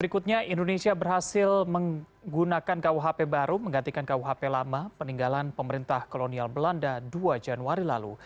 berikutnya indonesia berhasil menggunakan kuhp baru menggantikan kuhp lama peninggalan pemerintah kolonial belanda dua januari lalu